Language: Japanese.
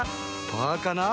パーかな？